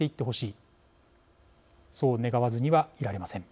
そう願わずにはいられません。